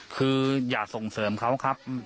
คืออย่าส่งเสริมเขาครับ